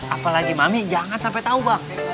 apalagi mami jangan sampai tahu bang